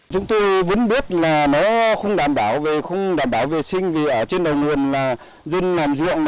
chúng tôi vẫn biết là nó không đảm bảo về sinh vì ở trên đầu nguồn là dân làm ruộng